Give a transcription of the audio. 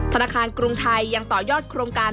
ธนาคารกรุงไทยยังต่อยอดโครงการ